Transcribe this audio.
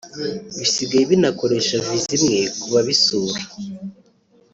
bisigaye binakoresha Viza imwe ku babisura